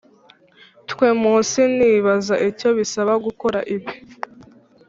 twe munsi nibaza icyo bisaba gukora ibi